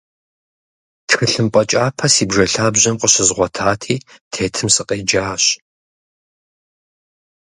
Тхылъымпӏэ кӏапэ си бжэ лъабжьэм къыщызгъуэтати, тетым сыкъеджащ.